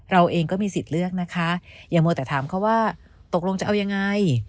เราเองก็มีสิทธิ์เลือกนะคะอย่ามัวแต่ถามเขาว่าตกลงจะเอายังไง